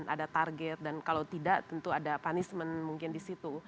ada target dan kalau tidak tentu ada punishment mungkin di situ